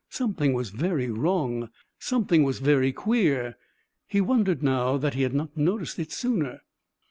Something was very wrong, something was very queer; he wondered now that he had not noticed it sooner.